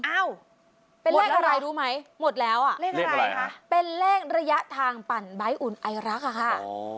อ้าวเป็นเลขอะไรรู้ไหมหมดแล้วอ่ะเลขอะไรคะเป็นเลขระยะทางปั่นใบ้อุ่นไอรักอ่ะค่ะ